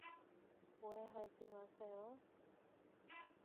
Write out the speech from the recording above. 오해하지 마세요.